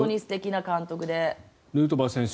ヌートバー選手